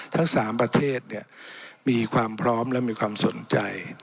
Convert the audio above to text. ทั้ง๓ประเทศมีความพร้อมและมีความสนใจ